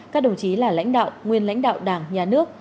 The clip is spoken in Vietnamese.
các đồng chí là lãnh đạo nguyên lãnh đạo đảng nhà nước